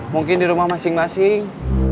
mungkin di rumah masing masing